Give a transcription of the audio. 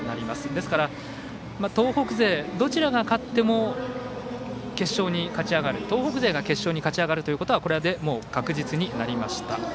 ですから東北勢どちらが勝っても東北勢が決勝に勝ち上がるということは確実になりました。